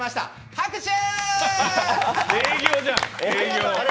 拍手！